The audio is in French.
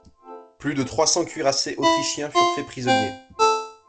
Plus de trois cents cuirassiers autrichiens furent faits prisonniers.